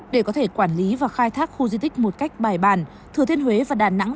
để có thể quản lý và khai thác khu di tích một cách bài bàn thừa thiên huế và đà nẵng